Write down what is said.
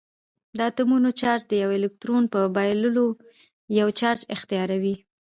د اتومونو چارج د یوه الکترون په بایللو یو چارج اختیاروي.